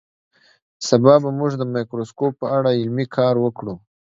سبا به موږ د مایکروسکوپ په اړه عملي کار وکړو